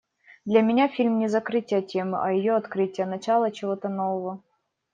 Для меня фильм не закрытие темы, а ее открытие, начало чего-то нового.